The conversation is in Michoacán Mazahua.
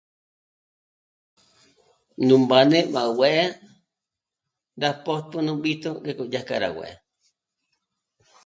Nú mbáne má bu'é'e rá pòjtü nú b'íjtu ngék'o dyà kjâ rá bu'é'e